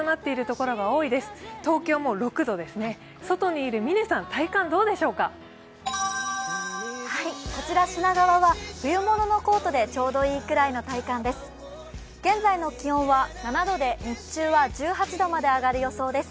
こちら品川は冬物のコートでちょうどいいくらいの体感です。